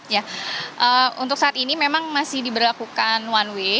ya untuk saat ini memang masih diberlakukan one way